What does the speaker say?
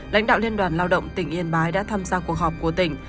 lãnh đạo liên đoàn lao động tỉnh yên bái đã tham gia cuộc họp của tỉnh